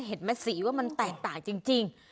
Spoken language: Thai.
เห็นไหมสีว่ามันแตกต่างจริง